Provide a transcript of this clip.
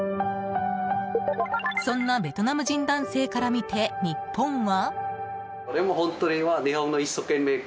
そんなベトナム人男性から見て日本は？